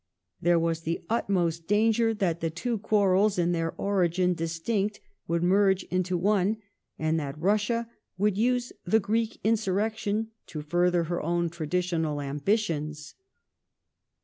There was the utmost danger that the two quarrels, in their origin distinct, would merge into one, and that i Russia would use the Greek insurrection to further her own tradi tional ambitions.